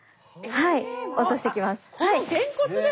はい。